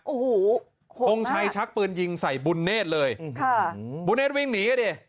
โอ้โหทงชัยชักปืนยิงใส่บุญเนธเลยค่ะบุญเศษวิ่งหนีกันดิ